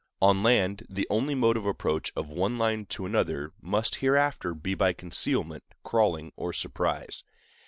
On land, the only mode of approach of one line to another must hereafter be by concealment, crawling, or surprise.